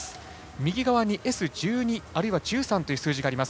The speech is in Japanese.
右側にＳ１２あるいは１３という数字があります。